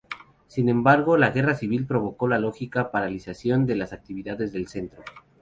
Sin embargo la Guerra Civil provocó la lógica paralización de las actividades del Centro.